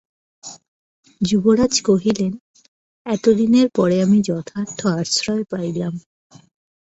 যুবরাজ কহিলেন, এতদিনের পরে আমি যথার্থ আশ্রয় পাইলাম।